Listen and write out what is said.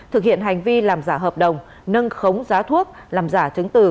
thực hiện hành vi làm giả hợp đồng nâng khống giá thuốc làm giả chứng từ